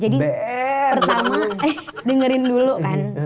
jadi pertama dengerin dulu kan